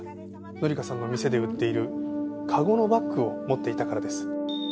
紀香さんの店で売っている籠のバッグを持っていたからです。